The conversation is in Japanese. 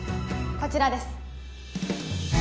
こちらです